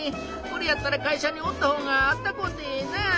これやったら会社におったほうがあったこうてええなあ。